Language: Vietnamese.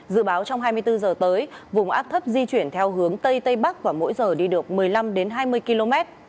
dự báo trong hai mươi bốn giờ tới vùng áp thấp di chuyển theo hướng tây tây bắc và mỗi giờ đi được một mươi năm hai mươi km